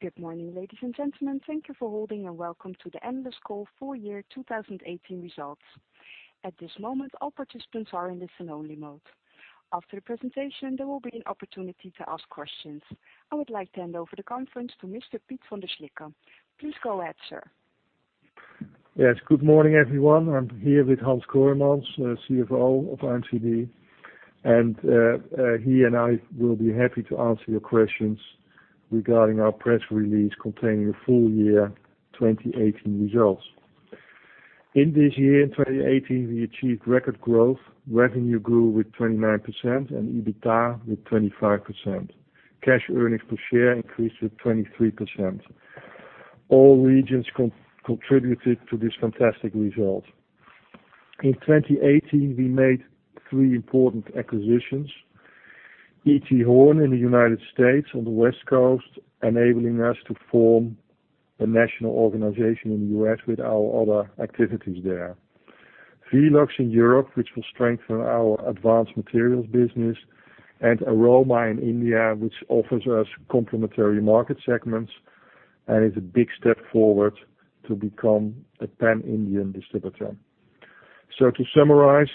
Good morning, ladies and gentlemen. Thank you for holding and welcome to the Earnings call full year 2018 results. At this moment, all participants are in listen only mode. After the presentation, there will be an opportunity to ask questions. I would like to hand over the conference to Mr. Piet van der Slikke. Please go ahead, sir. Yes, good morning, everyone. I'm here with Hans Kooijmans, CFO of IMCD. He and I will be happy to answer your questions regarding our press release containing the full year 2018 results. In this year, in 2018, we achieved record growth. Revenue grew with 29% and EBITDA with 25%. cash earnings per share increased with 23%. All regions contributed to this fantastic result. In 2018, we made three important acquisitions. E.T. Horn in the U.S. on the West Coast, enabling us to form a national organization in the U.S. with our other activities there. Velox in Europe, which will strengthen our advanced materials, and Aroma in India, which offers us complementary market segments and is a big step forward to become a pan-Indian distributor. To summarize,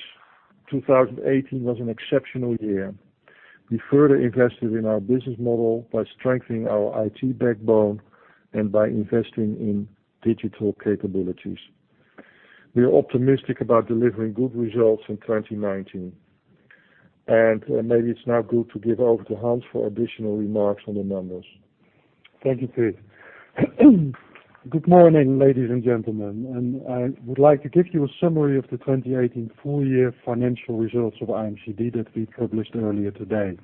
2018 was an exceptional year. We further invested in our business model by strengthening our IT backbone and by investing in digital capabilities. We are optimistic about delivering good results in 2019. Maybe it's now good to give over to Hans for additional remarks on the numbers. Thank you, Piet. Good morning, ladies and gentlemen. I would like to give you a summary of the 2018 full year financial results of IMCD that we published earlier today.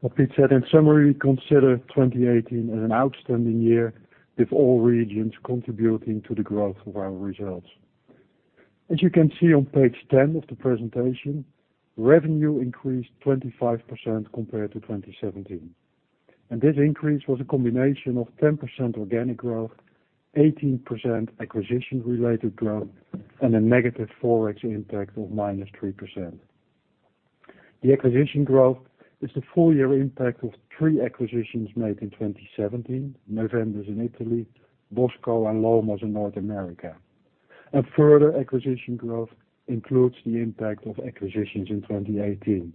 What Piet said, in summary, we consider 2018 as an outstanding year, with all regions contributing to the growth of our results. As you can see on page 10 of the presentation, revenue increased 25% compared to 2017. This increase was a combination of 10% organic growth, 18% acquisition-related growth, and a negative Forex impact of -3%. The acquisition growth is the full year impact of three acquisitions made in 2017, Neuvendis in Italy, Bossco and L.V. Lomas in North America. Further acquisition growth includes the impact of acquisitions in 2018.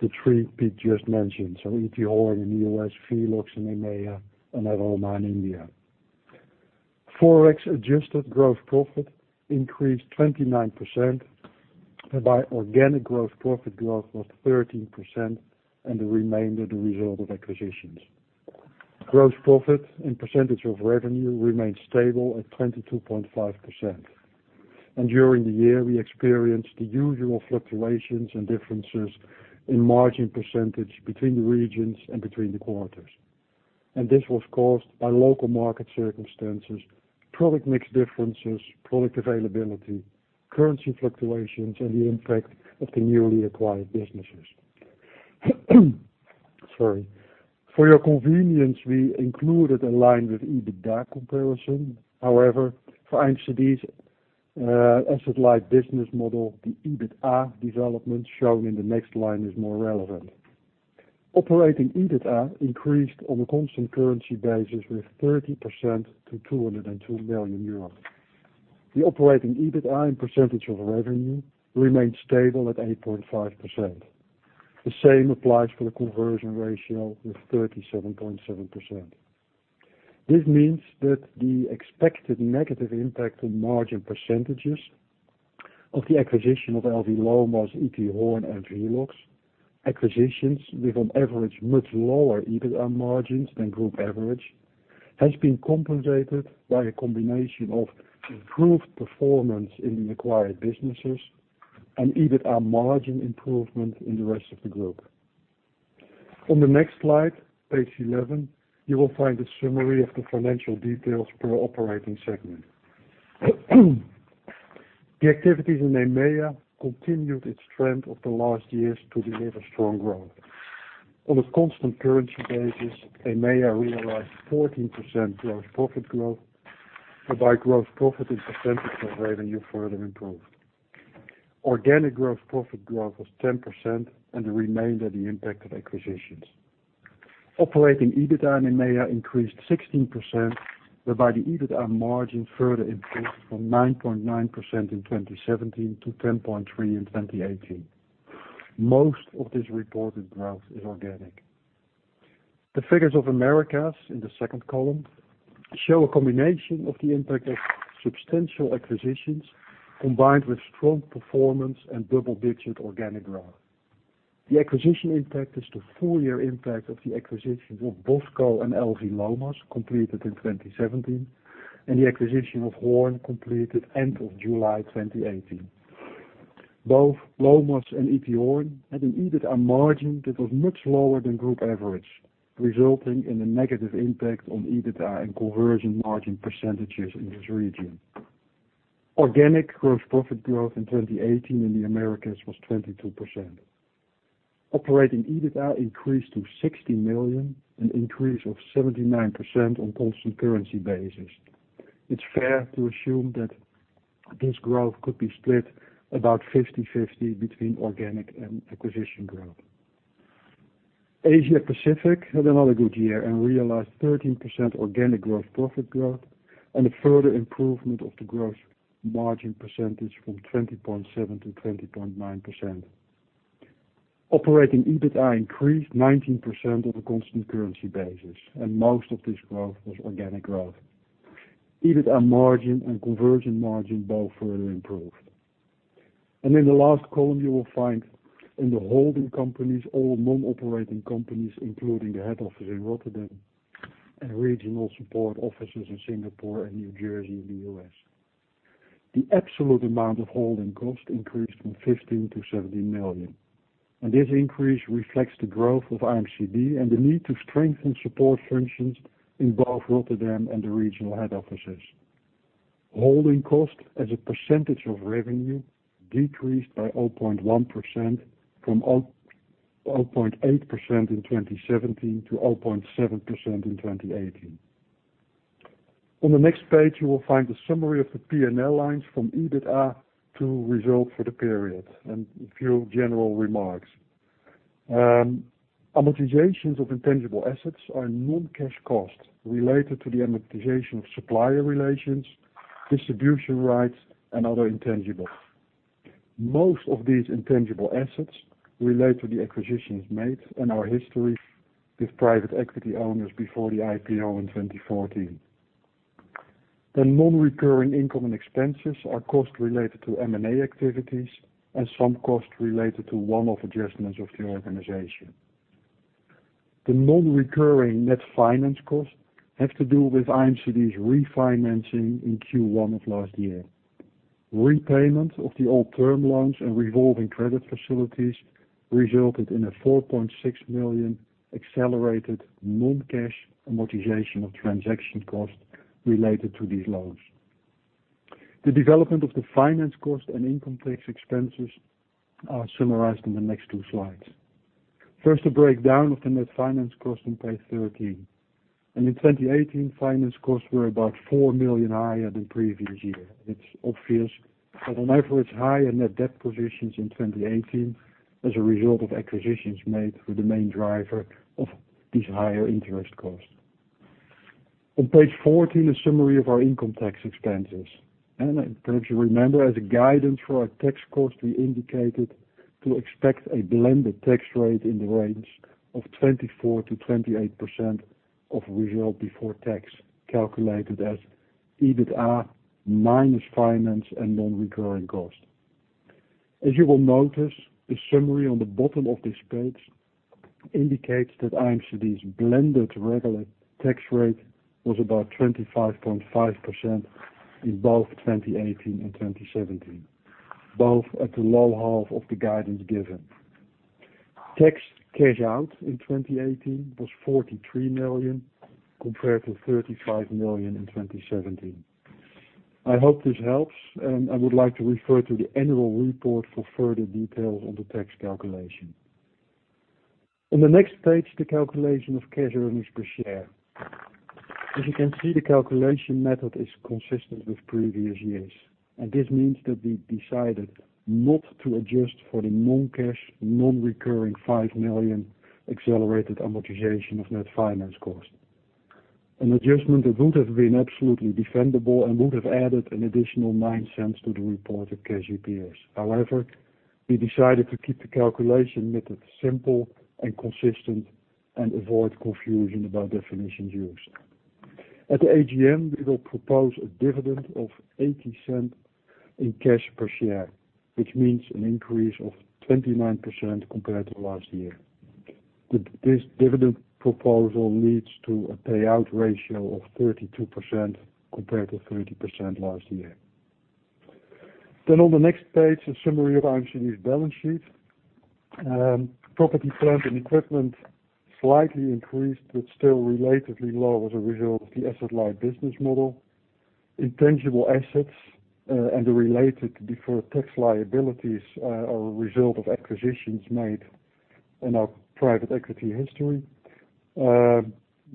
The three Piet just mentioned, E.T. Horn in the U.S., Velox in EMEA, and Aroma in India. Forex adjusted gross profit increased 29%, whereby organic gross profit growth was 13% and the remainder the result of acquisitions. Gross profit and % of revenue remained stable at 22.5%. During the year, we experienced the usual fluctuations and differences in margin % between the regions and between the quarters. This was caused by local market circumstances, product mix differences, product availability, currency fluctuations, and the impact of the newly acquired businesses. Sorry. For your convenience, we included a line with EBITDA comparison. However, for IMCD's asset-light business model, the EBITDA development shown in the next line is more relevant. Operating EBITDA increased on a constant currency basis with 30% to 202 million euros. The operating EBITDA and % of revenue remained stable at 8.5%. The same applies for the conversion ratio with 37.7%. This means that the expected negative impact on margin % of the acquisition of L.V. Lomas, E.T. Horn, and Velox, acquisitions with on average much lower EBITDA margins than group average, has been compensated by a combination of improved performance in the acquired businesses and EBITDA margin improvement in the rest of the group. On the next slide, page 11, you will find a summary of the financial details per operating segment. The activities in EMEA continued its trend of the last years to deliver strong growth. On a constant currency basis, EMEA realized 14% gross profit growth, whereby gross profit in % of revenue further improved. Organic gross profit growth was 10% and the remainder the impact of acquisitions. Operating EBITDA in EMEA increased 16%, whereby the EBITDA margin further improved from 9.9% in 2017 to 10.3% in 2018. Most of this reported growth is organic. The figures of Americas in the second column show a combination of the impact of substantial acquisitions combined with strong performance and double-digit organic growth. The acquisition impact is the full year impact of the acquisitions of Bossco and L.V. Lomas, completed in 2017, and the acquisition of Horn completed end of July 2018. Both Lomas and E.T. Horn had an EBITDA margin that was much lower than group average, resulting in a negative impact on EBITDA and conversion margin % in this region. Organic gross profit growth in 2018 in the Americas was 22%. Operating EBITDA increased to $60 million, an increase of 79% on constant currency basis. It's fair to assume that this growth could be split about 50/50 between organic and acquisition growth. Asia Pacific had another good year and realized 13% organic gross profit growth, and a further improvement of the gross margin % from 20.7% to 20.9%. Operating EBITDA increased 19% on a constant currency basis, and most of this growth was organic growth. EBITDA margin and conversion margin both further improved. In the last column, you will find in the holding companies, all non-operating companies, including the head office in Rotterdam and regional support offices in Singapore and New Jersey in the U.S. The absolute amount of holding cost increased from 15 million to 17 million. This increase reflects the growth of IMCD and the need to strengthen support functions in both Rotterdam and the regional head offices. Holding cost as a % of revenue decreased by 0.1% from 0.8% in 2017 to 0.7% in 2018. On the next page, you will find a summary of the P&L lines from EBITDA to result for the period, and a few general remarks. Amortizations of intangible assets are non-cash costs related to the amortization of supplier relations, distribution rights, and other intangibles. Most of these intangible assets relate to the acquisitions made and our history with private equity owners before the IPO in 2014. The non-recurring income and expenses are costs related to M&A activities and some costs related to one-off adjustments of the organization. The non-recurring net finance costs have to do with IMCD's refinancing in Q1 of last year. Repayment of the old term loans and revolving credit facilities resulted in a 4.6 million accelerated non-cash amortization of transaction costs related to these loans. The development of the finance cost and income tax expenses are summarized in the next two slides. First, a breakdown of the net finance cost on page 13. In 2018, finance costs were about 4 million higher than previous year. It is obvious that on average, higher net debt positions in 2018 as a result of acquisitions made were the main driver of these higher interest costs. On page 14, a summary of our income tax expenses. Perhaps you remember as a guidance for our tax cost, we indicated to expect a blended tax rate in the range of 24%-28% of result before tax calculated as EBITDA minus finance and non-recurring costs. As you will notice, the summary on the bottom of this page indicates that IMCD's blended regular tax rate was about 25.5% in both 2018 and 2017, both at the low half of the guidance given. Tax cash out in 2018 was 43 million compared to 35 million in 2017. I hope this helps, and I would like to refer to the annual report for further details on the tax calculation. On the next page, the calculation of cash earnings per share. As you can see, the calculation method is consistent with previous years, and this means that we decided not to adjust for the non-cash, non-recurring 5 million accelerated amortization of net finance cost. An adjustment that would have been absolutely defendable and would have added an additional 0.09 to the reported cash EPS. However, we decided to keep the calculation method simple and consistent and avoid confusion about definitions used. At the AGM, we will propose a dividend of 0.80 in cash per share, which means an increase of 29% compared to last year. This dividend proposal leads to a payout ratio of 32% compared to 30% last year. On the next page, a summary of IMCD's balance sheet. Property, plant, and equipment slightly increased but still relatively low as a result of the asset-light business model. Intangible assets, and the related deferred tax liabilities, are a result of acquisitions made in our private equity history.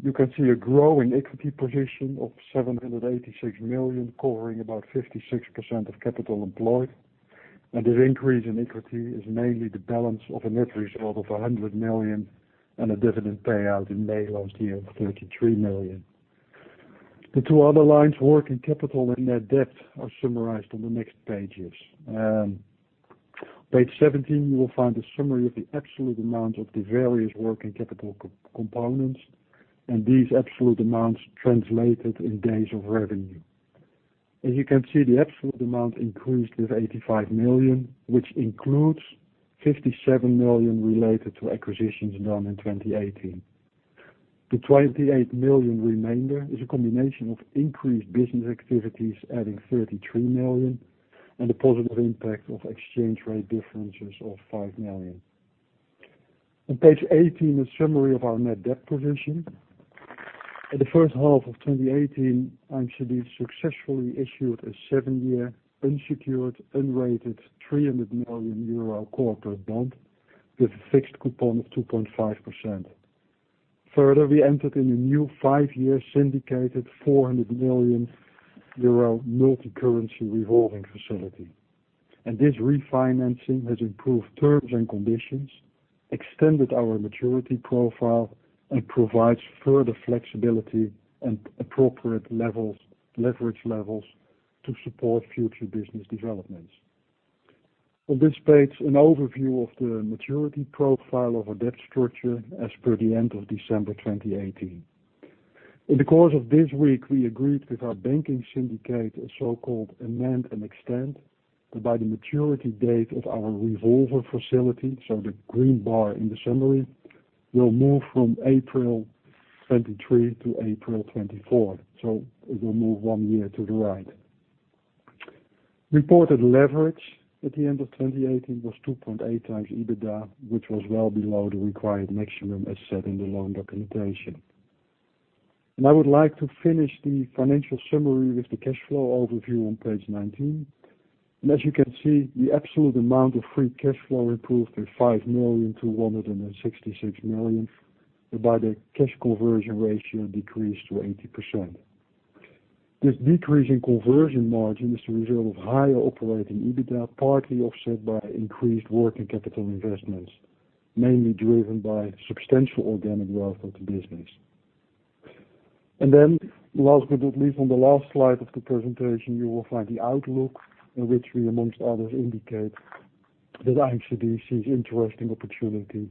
You can see a growing equity position of 786 million, covering about 56% of capital employed. This increase in equity is mainly the balance of a net result of 100 million and a dividend payout in May last year of 33 million. The two other lines, working capital and net debt, are summarized on the next pages. Page 17, you will find a summary of the absolute amount of the various working capital components and these absolute amounts translated in days of revenue. As you can see, the absolute amount increased with 85 million, which includes 57 million related to acquisitions done in 2018. The 28 million remainder is a combination of increased business activities, adding 33 million, and a positive impact of exchange rate differences of 5 million. On page 18, a summary of our net debt position. At the first half of 2018, IMCD successfully issued a seven-year unsecured, unrated 300 million euro corporate bond with a fixed coupon of 2.5%. We further entered in a new five-year syndicated 400 million euro multi-currency revolving facility. This refinancing has improved terms and conditions, extended our maturity profile, and provides further flexibility and appropriate leverage levels to support future business developments. On this page, an overview of the maturity profile of our debt structure as per the end of December 2018. In the course of this week, we agreed with our banking syndicate, a so-called amend and extend, that by the maturity date of our revolver facility, so the green bar in the summary, will move from April 23 to April 24. It will move one year to the right. Reported leverage at the end of 2018 was 2.8x EBITDA, which was well below the required maximum as set in the loan documentation. I would like to finish the financial summary with the cash flow overview on page 19. As you can see, the absolute amount of free cash flow improved to 5 million to 166 million, whereby the cash conversion ratio decreased to 80%. This decrease in conversion margin is the result of higher operating EBITDA, partly offset by increased working capital investments, mainly driven by substantial organic growth of the business. Last but not least, on the last slide of the presentation, you will find the outlook in which we, amongst others, indicate that IMCD sees interesting opportunity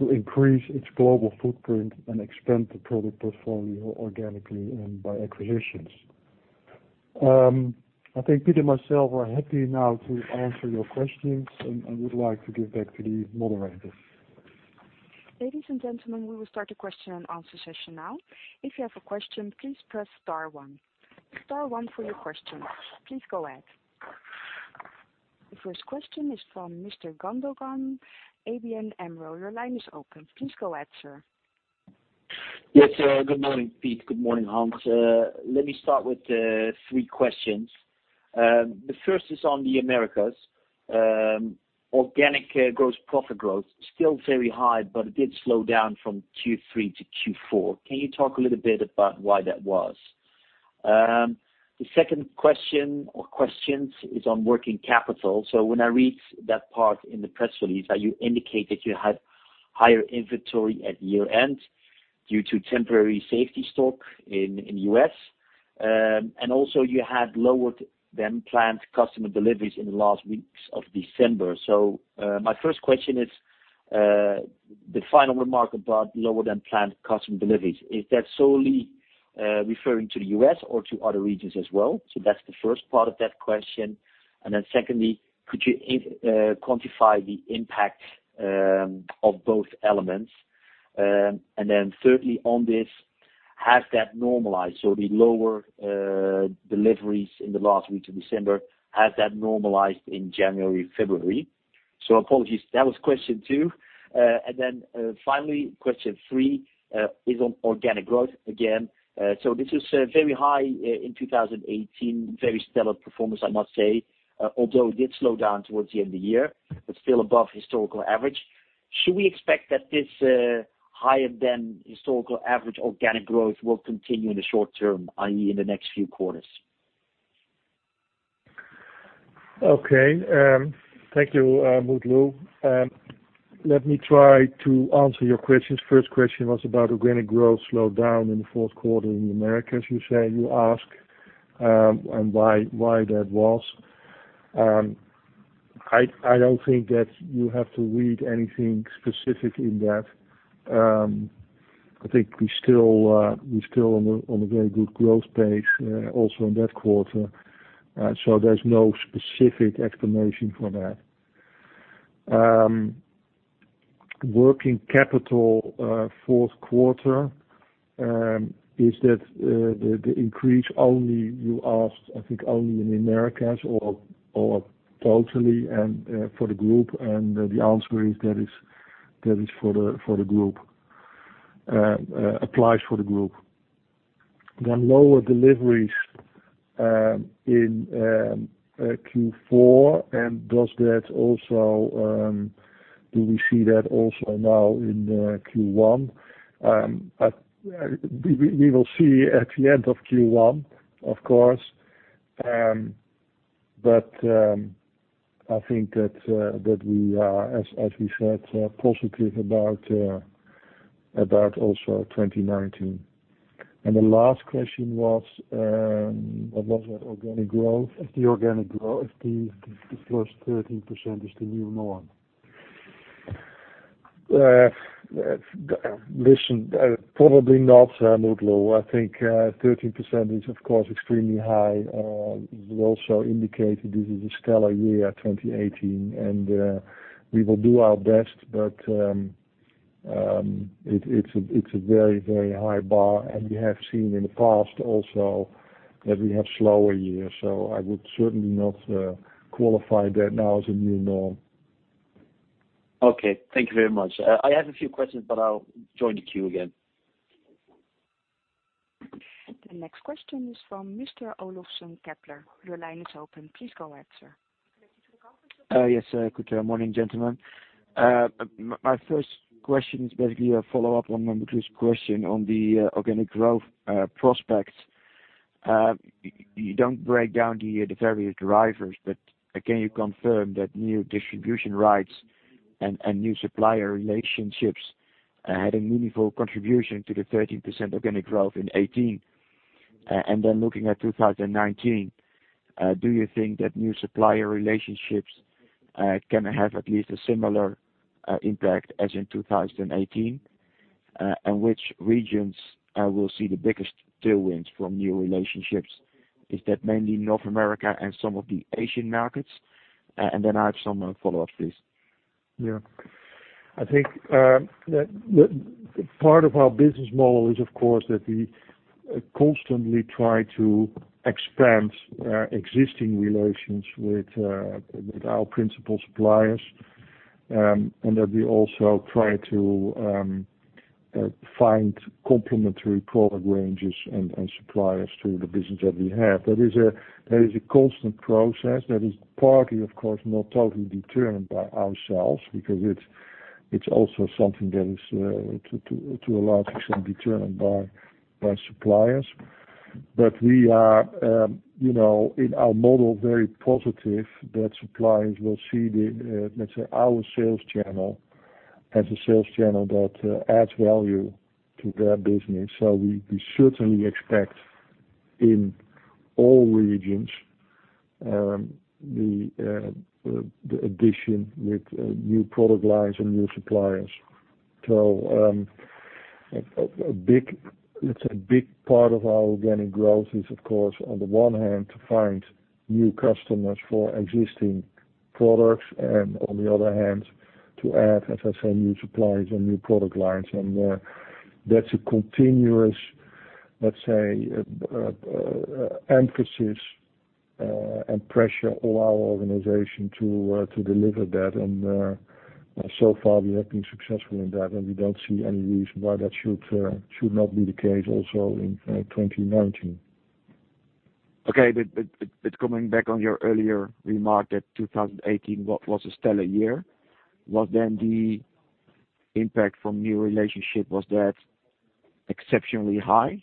to increase its global footprint and expand the product portfolio organically and by acquisitions. I think Piet and myself are happy now to answer your questions, I would like to give back to the moderator. Ladies and gentlemen, we will start the question and answer session now. If you have a question, please press star one. Star one for your question. Please go ahead. The first question is from Mr. Gundogan, ABN AMRO. Your line is open. Please go ahead, sir. Good morning, Piet. Good morning, Hans. Let me start with three questions. The first is on the Americas. Organic gross profit growth, still very high, but it did slow down from Q3 to Q4. Can you talk a little bit about why that was? The second question, or questions, is on working capital. When I read that part in the press release, you indicate that you had higher inventory at year-end due to temporary safety stock in U.S. Also you had lower-than-planned customer deliveries in the last weeks of December. My first question is, the final remark about lower-than-planned customer deliveries. Is that solely referring to the U.S. or to other regions as well? That's the first part of that question. Secondly, could you quantify the impact of both elements? Thirdly on this, has that normalized? The lower deliveries in the last week of December, has that normalized in January, February? Apologies, that was question two. Finally, question three is on organic growth again. This was very high in 2018, very stellar performance, I must say, although it did slow down towards the end of the year. It's still above historical average. Should we expect that this higher-than-historical average organic growth will continue in the short term, i.e., in the next few quarters? Thank you, Mutlu. Let me try to answer your questions. First question was about organic growth slowdown in the fourth quarter in the Americas, you ask, and why that was. I don't think that you have to read anything specific in that. I think we're still on a very good growth pace, also in that quarter. There's no specific explanation for that. Working capital, fourth quarter, is the increase only, you asked, I think only in Americas or totally and for the group? The answer is, that is for the group. Applies for the group. Lower deliveries in Q4, do we see that also now in Q1? We will see at the end of Q1, of course. I think that we are, as we said, positive about also 2019. The last question was, what was the organic growth? If the organic growth, if this last 13% is the new norm. Probably not, Mutlu. I think 13% is of course extremely high. We also indicated this is a stellar year, 2018, and we will do our best, but it's a very high bar. We have seen in the past also that we have slower years. I would certainly not qualify that now as a new norm. Okay. Thank you very much. I have a few questions, but I'll join the queue again. The next question is from Mr. Olofsson, Kepler. Your line is open. Please go ahead, sir. Thank you for the conference call. Yes. Good morning, gentlemen. My first question is basically a follow-up on my previous question on the organic growth prospects. You don't break down the various drivers, but can you confirm that new distribution rights and new supplier relationships had a meaningful contribution to the 13% organic growth in 2018? Looking at 2019, do you think that new supplier relationships can have at least a similar impact as in 2018? Which regions will see the biggest tailwinds from new relationships? Is that mainly North America and some of the Asian markets? I have some follow-ups, please. I think that part of our business model is, of course, that we constantly try to expand existing relations with our principal suppliers. That we also try to find complementary product ranges and suppliers to the business that we have. That is a constant process that is partly, of course, not totally determined by ourselves, because it's also something that is to a large extent determined by suppliers. We are, in our model, very positive that suppliers will see, let's say, our sales channel as a sales channel that adds value to their business. We certainly expect in all regions, the addition with new product lines and new suppliers. Let's say, a big part of our organic growth is, of course, on the one hand, to find new customers for existing products, and on the other hand, to add, as I say, new suppliers and new product lines. That's a continuous, let's say, emphasis and pressure on our organization to deliver that. So far, we have been successful in that, and we don't see any reason why that should not be the case also in 2019. Coming back on your earlier remark that 2018, what was a stellar year, was then the impact from new relationship, was that exceptionally high?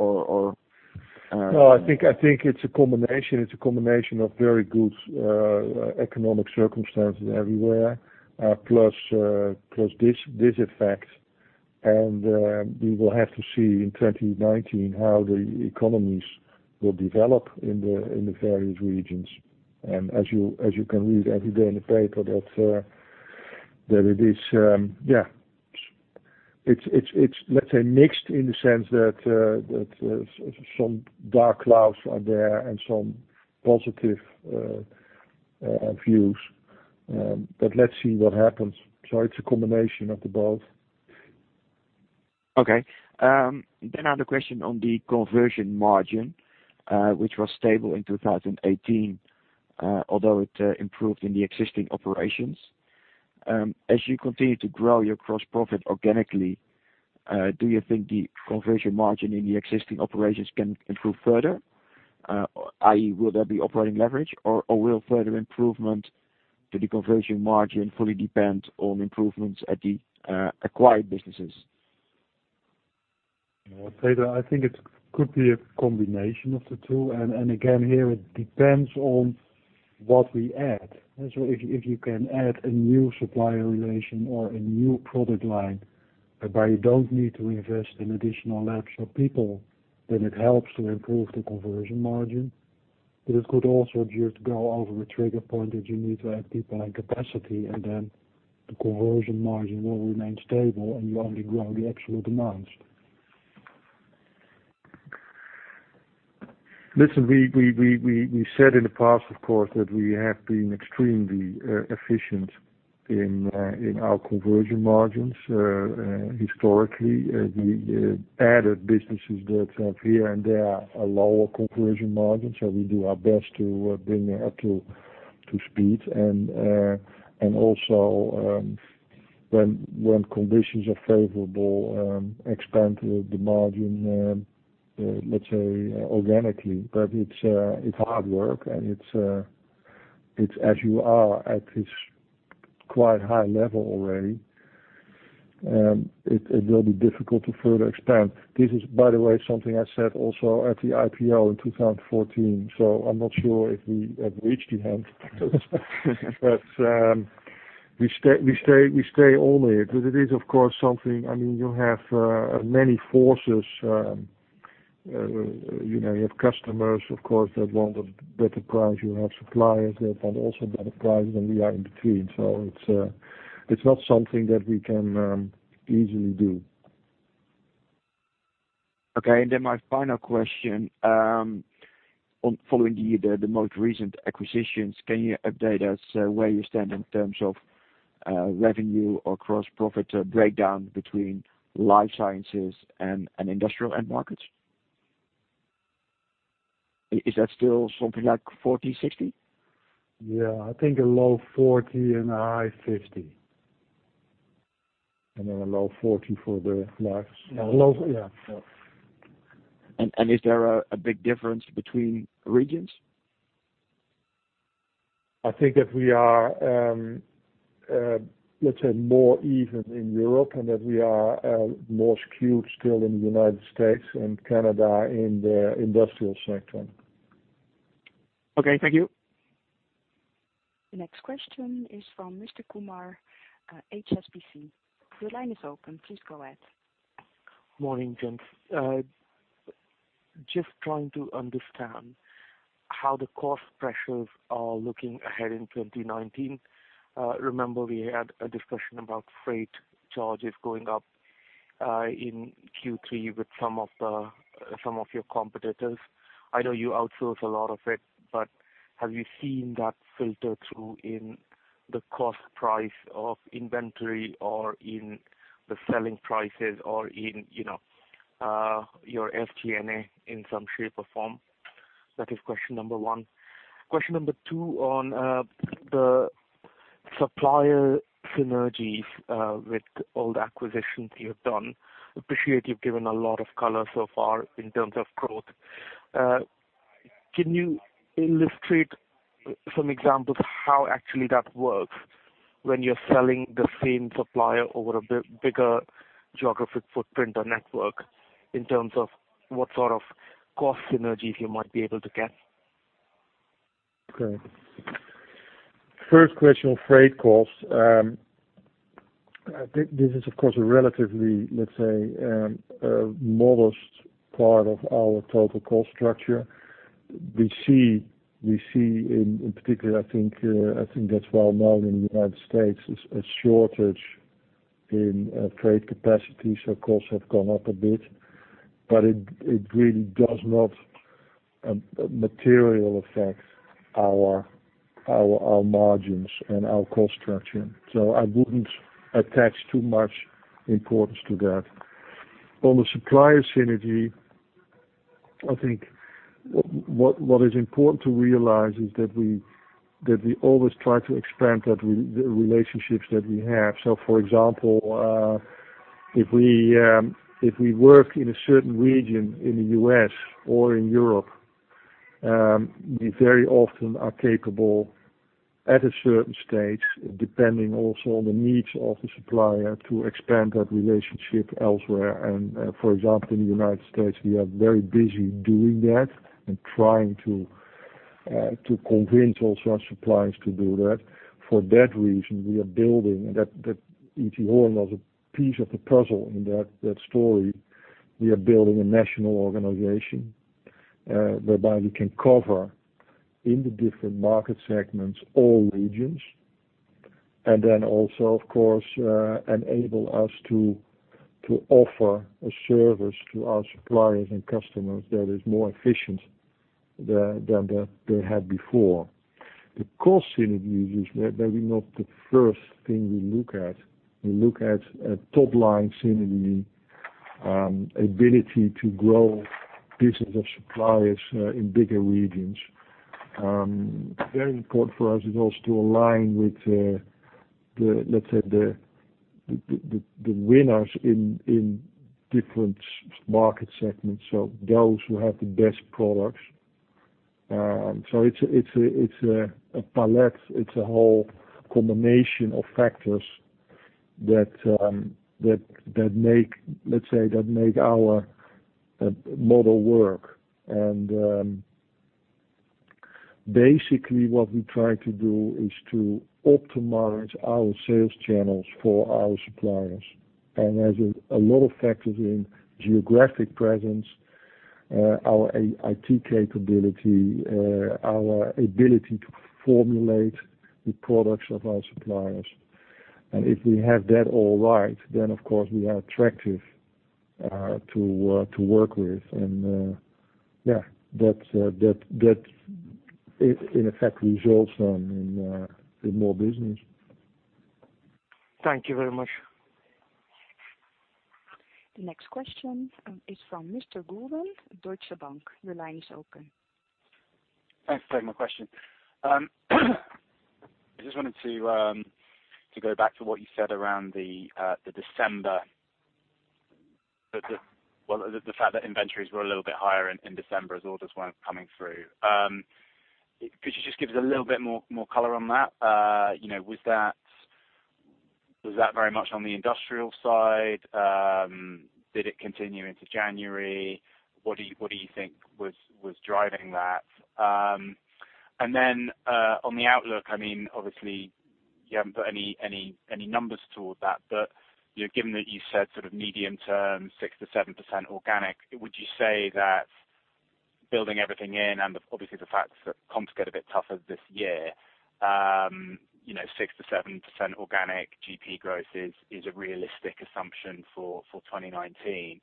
No, I think it's a combination of very good economic circumstances everywhere, plus this effect. We will have to see in 2019 how the economies will develop in the various regions. As you can read every day in the paper that it is, let's say, mixed in the sense that some dark clouds are there and some positive views. Let's see what happens. It's a combination of the both. Okay. Another question on the conversion margin, which was stable in 2018, although it improved in the existing operations. As you continue to grow your gross profit organically, do you think the conversion margin in the existing operations can improve further? Will there be operating leverage or will further improvement to the conversion margin fully depend on improvements at the acquired businesses? I'll say that I think it could be a combination of the two. Again, here, it depends on what we add. If you can add a new supplier relation or a new product line whereby you don't need to invest in additional labs or people, then it helps to improve the conversion margin. It could also just go over a trigger point that you need to add people and capacity, and then the conversion margin will remain stable and you only grow the absolute amounts. Listen, we said in the past, of course, that we have been extremely efficient in our conversion margins. Historically, we added businesses that have here and there a lower conversion margin. We do our best to bring that up to speed and also when conditions are favorable, expand the margin, let's say, organically. It's hard work, and it's as you are at this quite high level already. It will be difficult to further expand. This is, by the way, something I said also at the IPO in 2014. I'm not sure if we have reached the end. We stay on it, because it is, of course, something, you have many forces. You have customers, of course, that want a better price. You have suppliers that want also better price and we are in between. It's not something that we can easily do. Okay, my final question. Following the most recent acquisitions, can you update us where you stand in terms of revenue or gross profit breakdown between life sciences and industrial end markets? Is that still something like 40, 60? Yeah, I think a low 40 and a high 50. A low 40 for the large? Yeah. Is there a big difference between regions? I think that we are, let's say, more even in Europe and that we are more skewed still in the U.S. and Canada in the industrial sector. Okay, thank you. The next question is from Mr. Kumar, HSBC. Your line is open. Please go ahead. Morning, gents. Just trying to understand how the cost pressures are looking ahead in 2019. Remember we had a discussion about freight charges going up in Q3 with some of your competitors. I know you outsource a lot of it, but have you seen that filter through in the cost price of inventory or in the selling prices or in your SG&A in some shape or form? That is question number one. Question number two on the supplier synergies with all the acquisitions you've done. Appreciate you've given a lot of color so far in terms of growth. Can you illustrate some examples how actually that works when you're selling the same supplier over the bigger geographic footprint or network in terms of what sort of cost synergies you might be able to get? Okay. First question on freight costs. This is, of course, a relatively, let's say, modest part of our total cost structure. We see in particular, I think that's well-known in the U.S., a shortage in freight capacity, so costs have gone up a bit, but it really does not materially affect our margins and our cost structure. I wouldn't attach too much importance to that. On the supplier synergy, I think what is important to realize is that we always try to expand the relationships that we have. For example, if we work in a certain region in the U.S. or in Europe, we very often are capable at a certain stage, depending also on the needs of the supplier, to expand that relationship elsewhere. For example, in the U.S., we are very busy doing that and trying to convince also our suppliers to do that. For that reason, we are building, and that E.T. Horn was a piece of the puzzle in that story. We are building a national organization, whereby we can cover in the different market segments, all regions. Then also, of course, enable us to offer a service to our suppliers and customers that is more efficient than they had before. The cost synergies is maybe not the first thing we look at. We look at top-line synergy, ability to grow business of suppliers in bigger regions. Very important for us is also to align with, let's say, the winners in different market segments, so those who have the best products. It's a palette, it's a whole combination of factors that make our model work, and basically what we try to do is to optimize our sales channels for our suppliers. There's a lot of factors in geographic presence, our IT capability, our ability to formulate the products of our suppliers. If we have that all right, then, of course, we are attractive to work with. Yeah, that in effect results in more business. Thank you very much. The next question is from Mr. Goulden, Deutsche Bank. Your line is open. Thanks for taking my question. I just wanted to go back to what you said around the December, well, the fact that inventories were a little bit higher in December as orders weren't coming through. Could you just give us a little bit more color on that? Was that very much on the industrial side? Did it continue into January? What do you think was driving that? On the outlook, obviously you haven't put any numbers toward that, but given that you said sort of medium term, 6%-7% organic, would you say that building everything in and obviously the fact that comps get a bit tougher this year, 6%-7% organic GP growth is a realistic assumption for 2019?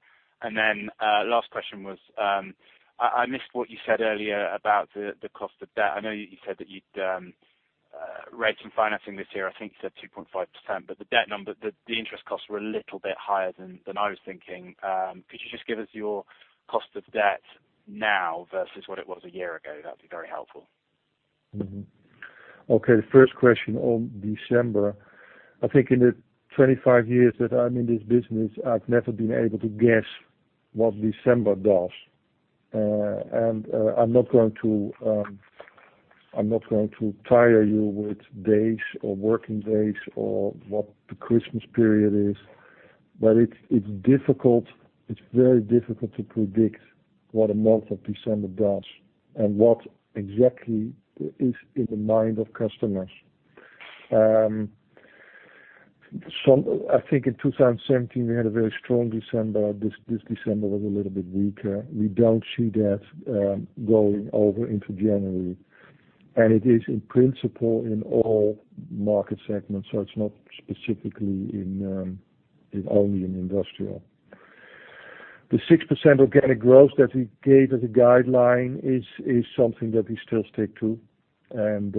Last question was, I missed what you said earlier about the cost of debt. I know you said that rates and financing this year, I think you said 2.5%, but the debt number, the interest costs were a little bit higher than I was thinking. Could you just give us your cost of debt now versus what it was a year ago? That'd be very helpful. Okay. The first question on December. I think in the 25 years that I'm in this business, I've never been able to guess what December does. I'm not going to tire you with days or working days or what the Christmas period is, but it's very difficult to predict what a month of December does and what exactly is in the mind of customers. I think in 2017, we had a very strong December. This December was a little bit weaker. We don't see that going over into January. It is in principle in all market segments, so it's not specifically only in industrial. The 6% organic growth that we gave as a guideline is something that we still stick to, and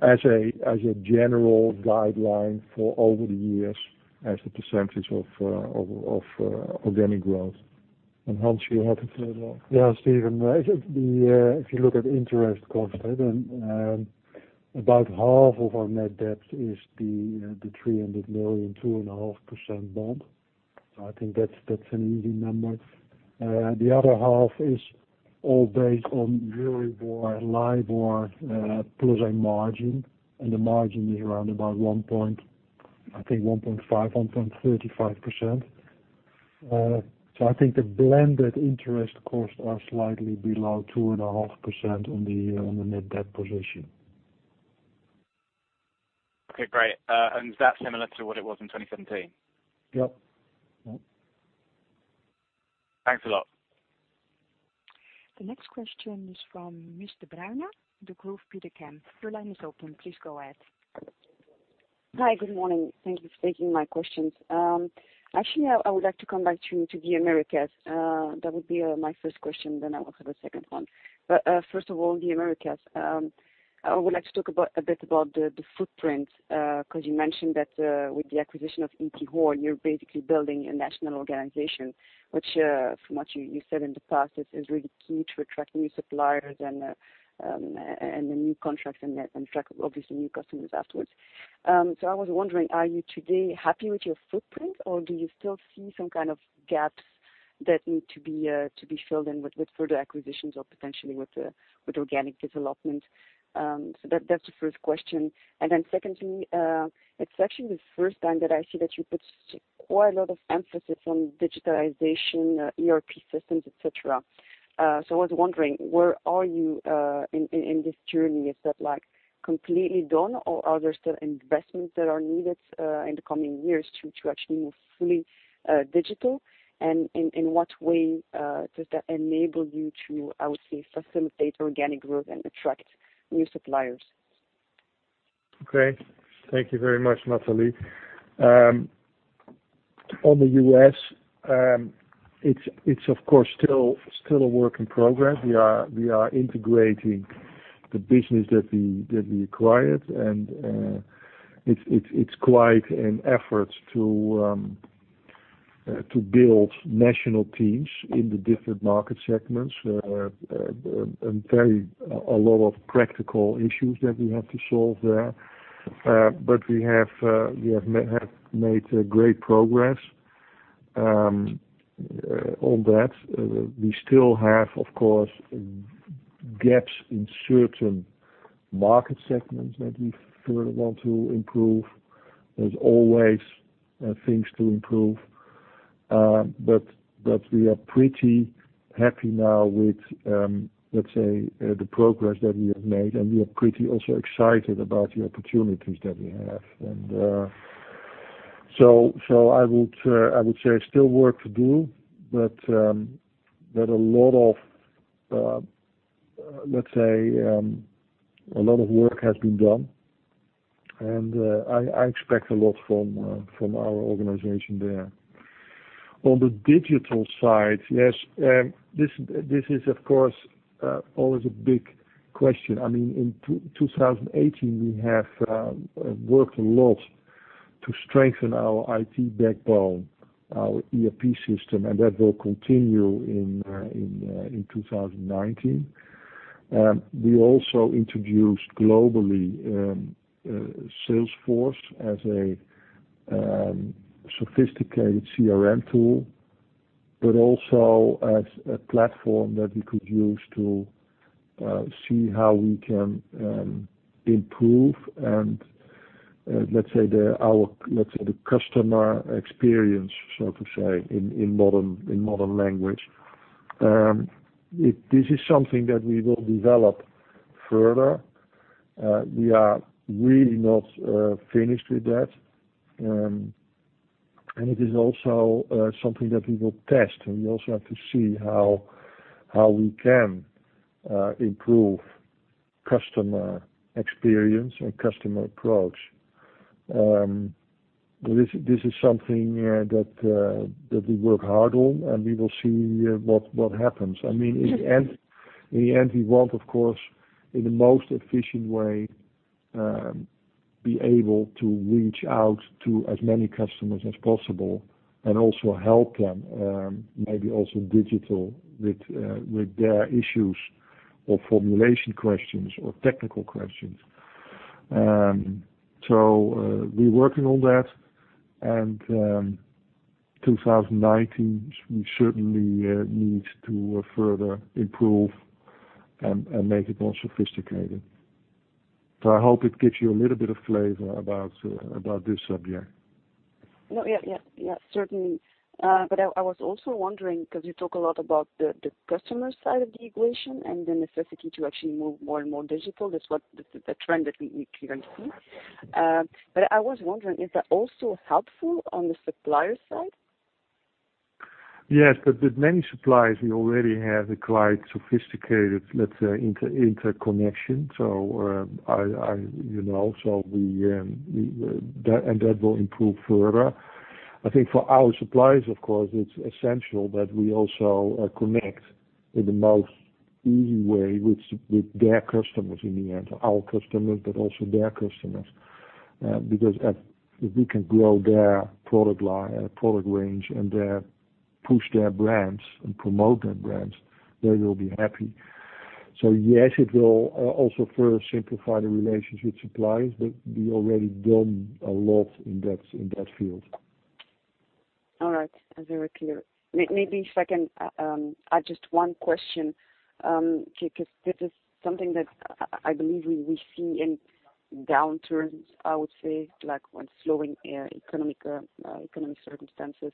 as a general guideline for over the years as a percentage of organic growth. Hans, you're happy to add that? Yeah, Stephen, if you look at interest cost, about half of our net debt is the 300 million 2.5% bond. I think that's an easy number. The other half is all based on variable LIBOR plus a margin, and the margin is around about, I think, 1.5%, 1.35%. I think the blended interest costs are slightly below 2.5% on the net debt position. Okay, great. Is that similar to what it was in 2017? Yep. Yep. Thanks a lot. The next question is from Ms. Debruyne, Degroof Petercam. Your line is open. Please go ahead. Hi. Good morning. Thank you for taking my questions. Actually, I would like to come back to the Americas. That would be my first question, then I will have a second one. First of all, the Americas. I would like to talk a bit about the footprint, because you mentioned that with the acquisition of E.T. Horn, you're basically building a national organization, which from what you said in the past, this is really key to attracting new suppliers and the new contracts and track, obviously, new customers afterwards. I was wondering, are you today happy with your footprint, or do you still see some kind of gaps that need to be filled in with further acquisitions or potentially with organic development? That's the first question. Secondly, it's actually the first time that I see that you put quite a lot of emphasis on digitalization, ERP systems, et cetera. I was wondering, where are you in this journey? Is that completely done or are there still investments that are needed in the coming years to actually move fully digital? In what way does that enable you to, I would say, facilitate organic growth and attract new suppliers? Okay. Thank you very much, Nathalie. On the U.S., it's of course still a work in progress. We are integrating the business that we acquired, and it's quite an effort to build national teams in the different market segments, and a lot of practical issues that we have to solve there. We have made great progress on that. We still have, of course, gaps in certain market segments that we further want to improve. There's always things to improve. We are pretty happy now with, let's say, the progress that we have made, and we are pretty also excited about the opportunities that we have. I would say still work to do, but let's say, a lot of work has been done, and I expect a lot from our organization there. On the digital side, yes, this is of course, always a big question. In 2018, we have worked a lot to strengthen our IT backbone, our ERP system, and that will continue in 2019. We also introduced globally, Salesforce as a sophisticated CRM tool, but also as a platform that we could use to see how we can improve and, let's say, the customer experience, so to say, in modern language. This is something that we will develop further. We are really not finished with that. It is also something that we will test, and we also have to see how we can improve customer experience and customer approach. This is something that we work hard on, and we will see what happens. In the end, we want, of course, in the most efficient way, be able to reach out to as many customers as possible and also help them, maybe also digital, with their issues or formulation questions or technical questions. We're working on that, and 2019, we certainly need to further improve and make it more sophisticated. I hope it gives you a little bit of flavor about this subject. Yes. Certainly. I was also wondering, because you talk a lot about the customer side of the equation and the necessity to actually move more and more digital, that's the trend that we clearly see. I was wondering, is that also helpful on the supplier side? Yes, with many suppliers, we already have a quite sophisticated interconnection. That will improve further. I think for our suppliers, of course, it's essential that we also connect in the most easy way with their customers in the end. Our customers, but also their customers. If we can grow their product range and push their brands and promote their brands, they will be happy. Yes, it will also further simplify the relationship with suppliers, but we've already done a lot in that field. All right. Very clear. Maybe if I can add just one question, because this is something that I believe we see in downturns, I would say, like when slowing economic circumstances.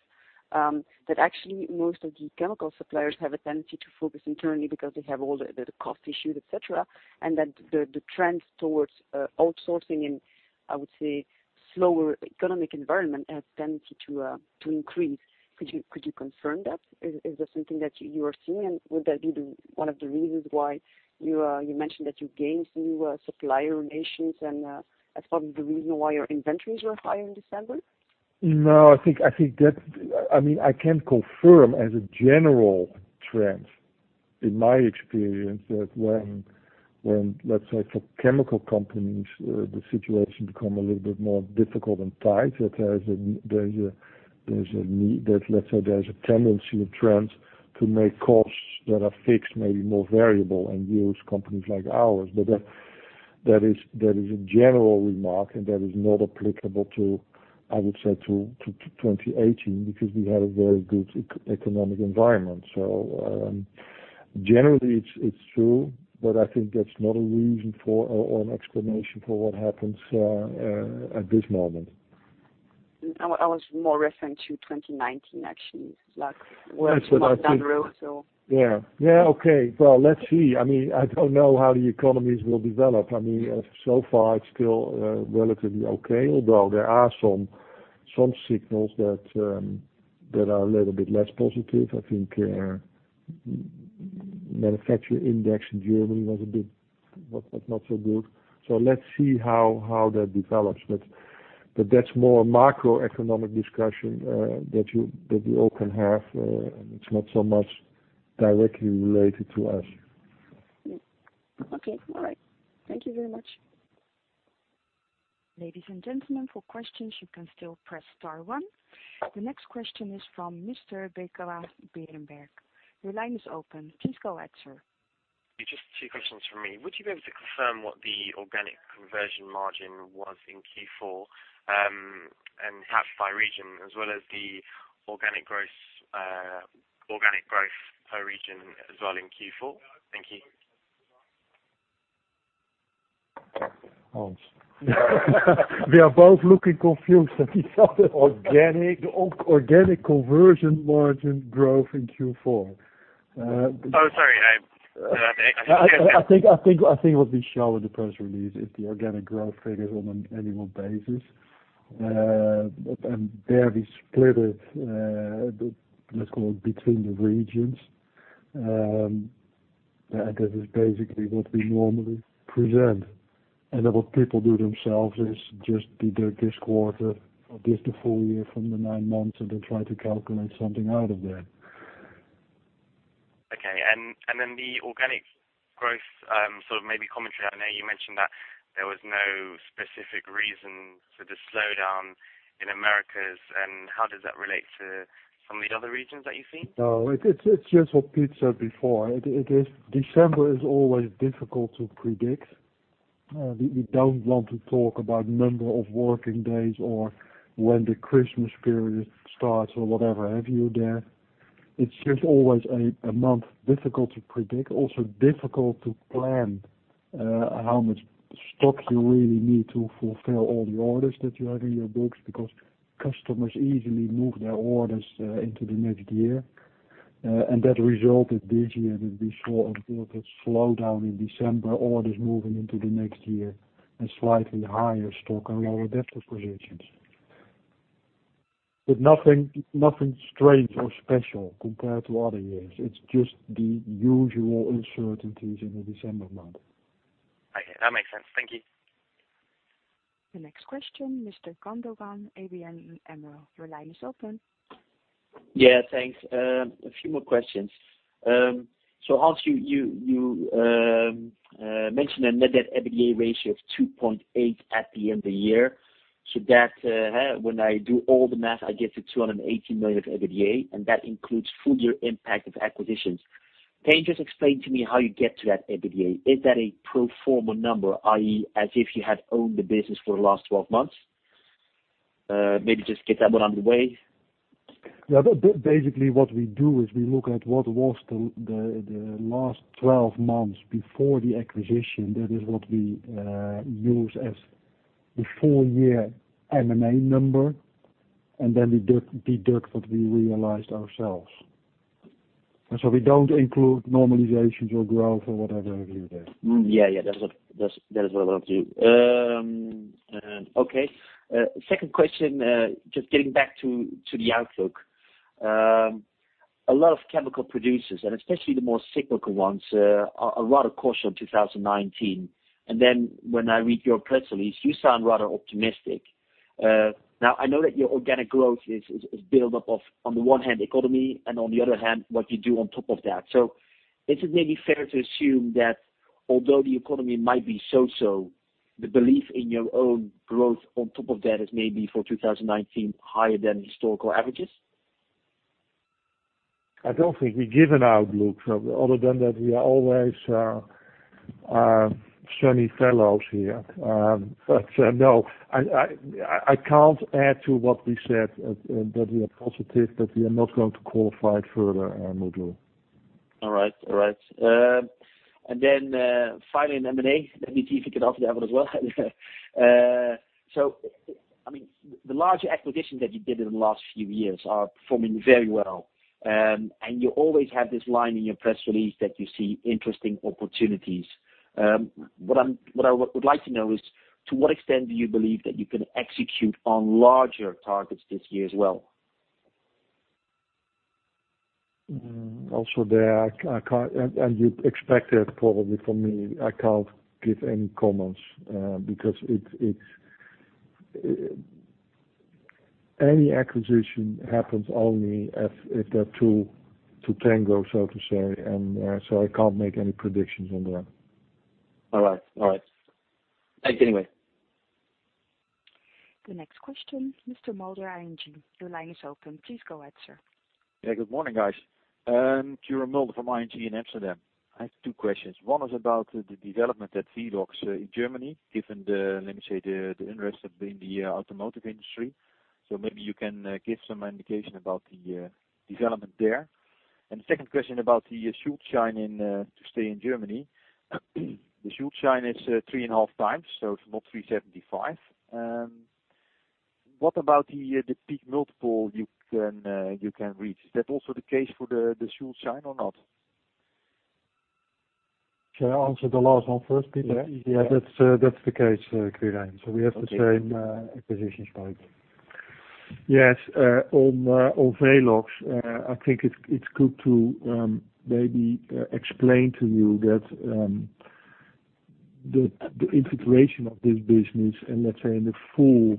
That actually most of the chemical suppliers have a tendency to focus internally because they have all the cost issues, et cetera, and that the trend towards outsourcing in, I would say, slower economic environment has tendency to increase. Could you confirm that? Is that something that you are seeing, and would that be one of the reasons why you mentioned that you gained new supplier relations, and that's probably the reason why your inventories were higher in December? No. I can't confirm as a general trend. In my experience, that when, let's say for chemical companies, the situation become a little bit more difficult and tight, let's say there's a tendency or trend to make costs that are fixed, maybe more variable and use companies like ours. That is a general remark and that is not applicable to, I would say, 2018 because we had a very good economic environment. Generally it's true, but I think that's not a reason for or an explanation for what happens at this moment. I was more referring to 2019, actually. Like what's down the road. Yeah. Okay. Well, let's see. I don't know how the economies will develop. Far it's still relatively okay, although there are some signals that are a little bit less positive. I think manufacturing index in Germany was a bit, was not so good. Let's see how that develops. That's more macroeconomic discussion that we all can have. It's not so much directly related to us. Okay. All right. Thank you very much. Ladies and gentlemen, for questions, you can still press star one. The next question is from Mr. Belhache Berenberg. Your line is open. Please go ahead, sir. Just two questions from me. Would you be able to confirm what the organic conversion margin was in Q4, and how by region, as well as the organic growth per region as well in Q4? Thank you. Hans. We are both looking confused at each other. Organic- Organic conversion margin growth in Q4. Oh, sorry. I think what we show in the press release is the organic growth figures on an annual basis. There we split it, let's call it, between the regions. That is basically what we normally present. What people do themselves is just either this quarter or just the full year from the nine months, and they try to calculate something out of that. Okay. The organic growth, sort of maybe commentary. I know you mentioned that there was no specific reason for the slowdown in Americas, how does that relate to some of the other regions that you see? No, it's just what Piet said before. December is always difficult to predict. We don't want to talk about number of working days or when the Christmas period starts or whatever have you there. It's just always a month difficult to predict. Also difficult to plan how much stock you really need to fulfill all the orders that you have in your books, because customers easily move their orders into the next year. That resulted this year that we saw a bit of slowdown in December, orders moving into the next year, and slightly higher stock and lower debtor position. Nothing strange or special compared to other years. It's just the usual uncertainties in the December month. Okay. That makes sense. Thank you. The next question, Mr. Gundogan, ABN AMRO, your line is open. Yeah, thanks. A few more questions. Hans, you mentioned a net debt EBITDA ratio of 2.8 at the end of the year. That, when I do all the math, I get to 280 million of EBITDA, and that includes full year impact of acquisitions. Can you just explain to me how you get to that EBITDA? Is that a pro forma number, i.e., as if you had owned the business for the last 12 months? Maybe just get that one out of the way. Basically, what we do is we look at what was the last 12 months before the acquisition. That is what we use as the full year M&A number, then we deduct what we realized ourselves. We don't include normalizations or growth or whatever over there. That is what I want to. Second question, just getting back to the outlook. A lot of chemical producers and especially the more cyclical ones, are rather cautious on 2019. When I read your press release, you sound rather optimistic. Now, I know that your organic growth is built up of, on the one hand, economy, and on the other hand, what you do on top of that. Is it maybe fair to assume that although the economy might be so-so, the belief in your own growth on top of that is maybe for 2019, higher than historical averages? I don't think we give an outlook other than that we are always sunny fellows here. No, I can't add to what we said, that we are positive, that we are not going to qualify it further, Mutlu. All right. Then, finally in M&A, let me see if you can answer that one as well. The larger acquisitions that you did in the last few years are performing very well. You always have this line in your press release that you see interesting opportunities. What I would like to know is, to what extent do you believe that you can execute on larger targets this year as well? Also there, you expect it probably from me, I can't give any comments. Because any acquisition happens only if they're two to tango, so to say, I can't make any predictions on that. All right. Thanks anyway. The next question, Mr. Mulder, ING, your line is open. Please go ahead, sir. Yeah, good morning, guys. Kira Mulder from ING in Amsterdam. I have two questions. One is about the development at Velox in Germany, given the, let me say, the interest in the automotive industry. Maybe you can give some indication about the development there. The second question about the Schulze & Schein to stay in Germany. The Schulze & Schein is 3.5x, so it's not 375. What about the peak multiple you can reach? Is that also the case for the Schulze & Schein or not? Shall I answer the last one first, Piet? Yeah. That's the case, Kira. We have the same acquisitions point. Yes. On Velox, I think it's good to maybe explain to you that the integration of this business and let's say the full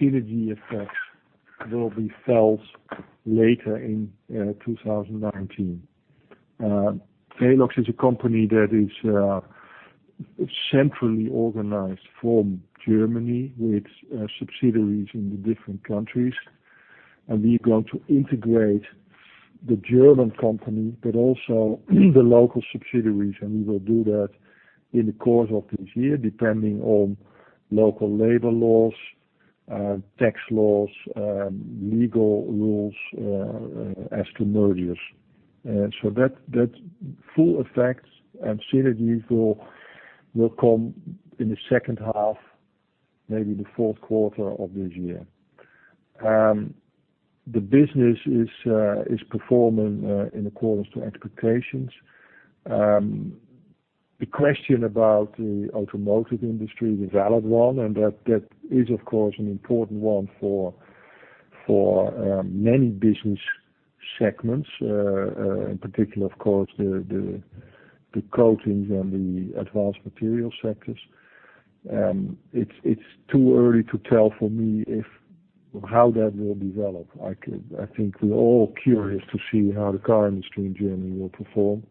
synergy effect will be felt later in 2019. Velox is a company that is centrally organized from Germany with subsidiaries in the different countries. We're going to integrate the German company, also the local subsidiaries, and we will do that in the course of this year, depending on local labor laws, tax laws, legal rules as to mergers. That full effect and synergies will come in the second half, maybe the fourth quarter of this year. The business is performing in accordance to expectations. The question about the automotive industry is a valid one. That is, of course, an important one for many business segments, in particular, of course, the coatings and the advanced materials sectors. It's too early to tell for me how that will develop. I think we're all curious to see how the car industry in Germany will perform.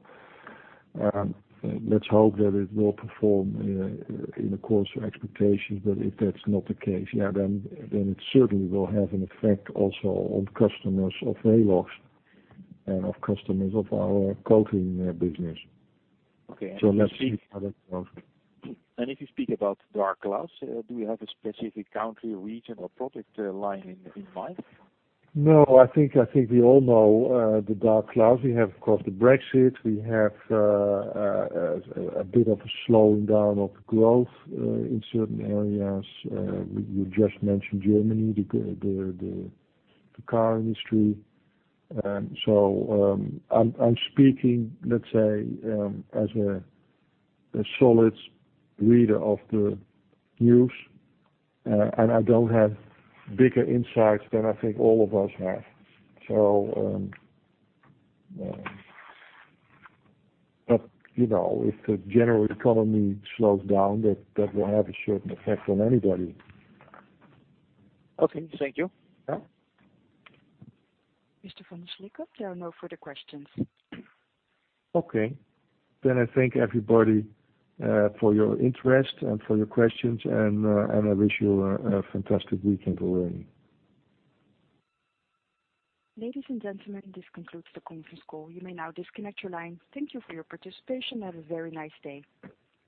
Let's hope that it will perform in the course of expectations. If that's not the case, yeah, then it certainly will have an effect also on customers of Velox and of customers of our coating business. Okay. Let's see how that goes. If you speak about dark clouds, do we have a specific country, region, or product line in mind? No. I think we all know the dark clouds. We have, of course, the Brexit. We have a bit of a slowing down of growth in certain areas. You just mentioned Germany, the car industry. I'm speaking, let's say, as a solid reader of the news. I don't have bigger insights than I think all of us have. If the general economy slows down, that will have a certain effect on anybody. Okay. Thank you. Yeah. Mr. Van der Slikke, there are no further questions. I thank everybody for your interest and for your questions, and I wish you a fantastic weekend already. Ladies and gentlemen, this concludes the conference call. You may now disconnect your line. Thank you for your participation and have a very nice day.